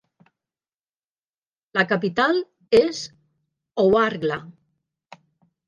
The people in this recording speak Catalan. La capital és Ouargla.